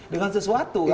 dengan sesuatu kan